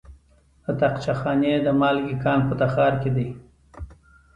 د طاقچه خانې د مالګې کان په تخار کې دی.